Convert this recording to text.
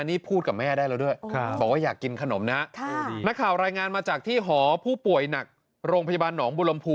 นี่พูดกับแม่ได้แล้วด้วยบอกว่าอยากกินขนมนะ